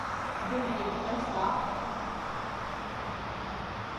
He served as president of Maui Telephone Company, and Maui Publishing Company.